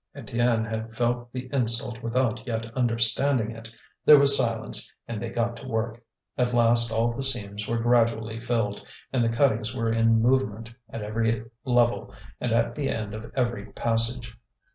Étienne had felt the insult without yet understanding it. There was silence, and they got to work. At last all the seams were gradually filled, and the cuttings were in movement at every level and at the end of every passage.